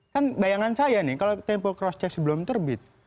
kan bayangan saya nih kalau tempo cross check sebelum terbit